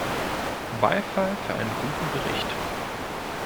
Beifall für einen guten Bericht.